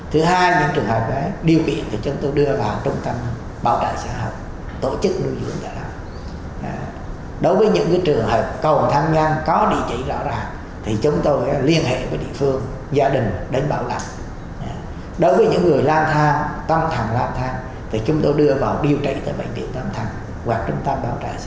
thì chúng tôi đưa vào điều trị tại bệnh viện tâm thẳng hoặc trung tâm bảo trợ xã hội